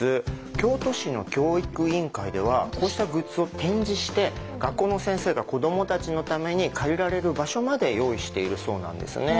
京都市の教育委員会ではこうしたグッズを展示して学校の先生が子どもたちのために借りられる場所まで用意しているそうなんですね。